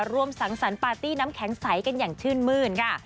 สังสรรคปาร์ตี้น้ำแข็งใสกันอย่างชื่นมื้นค่ะ